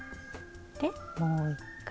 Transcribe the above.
でもう１回。